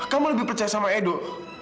kamu lebih percaya sama edo